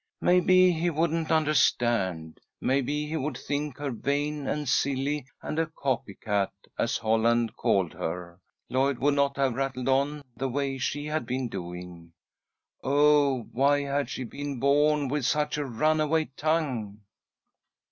Maybe he wouldn't understand. Maybe he would think her vain and silly and a copy cat, as Holland called her. Lloyd would not have rattled on the way she had been doing. Oh, why had she been born with such a runaway tongue!